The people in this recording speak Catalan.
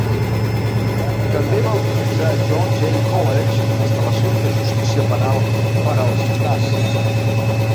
També va utilitzar John Jay College d'instal·lacions de justícia penal per al gimnàs.